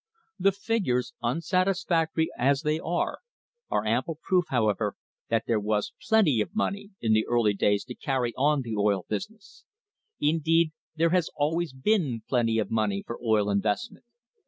The figures, unsatisfactory as they are, are ample proof, however, that there was plenty of money in the early days to carry on the oil business. Indeed, there has always been plenty of money for oil investment.